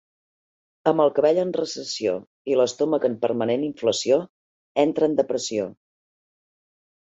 Amb el cabell en recessió i l'estómac en permanent inflació, entre en depressió.